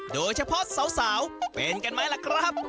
โดยเฉพาะสาวเป็นกันไหมล่ะครับ